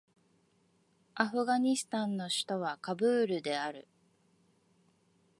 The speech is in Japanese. アフガニスタンの首都はカブールである